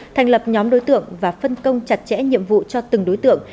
thành lập nhóm đối tượng và phân công chặt chẽ nhiệm vụ cho từng đối tượng